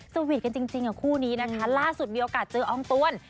สวีทกันจริงกับคู่นี้นะคะล่าสุดมีโอกาสเจออองตวน